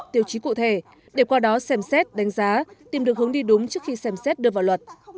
tiêu chí cụ thể để qua đó xem xét đánh giá tìm được hướng đi đúng trước khi xem xét đưa vào luật